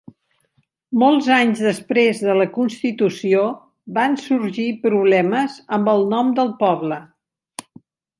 Molts anys després de la constitució, van sorgir problemes amb el nom del poble.